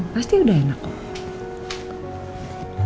pasti udah enak kok